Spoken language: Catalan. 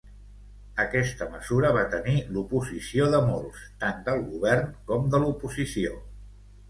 Aquesta mesura va tenir l'oposició de molts, tant del Govern com de l'oposició.